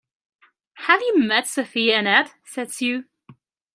Have you met Sophia and Ed? said Sue.